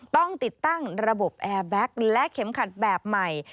ต้องติดตั้งระบบแอร์แบ็คและเข็มขัดแบบใหม่